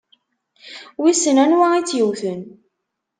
Wissen anwa i tt-yewwten?